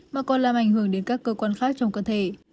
mà còn làm ảnh hưởng đến các cơ quan khác trong cơ thể